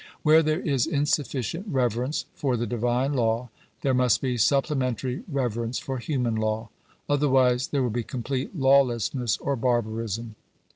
Where there is insufficient reverence for the Divine Law, there must be supplementary reverence for human law ; otherwise there will be complete lawlessness or barbarism.